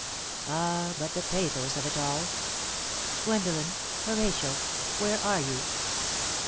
Ah, but the pathos of it all! Gwendolen! Horatio! Where are you?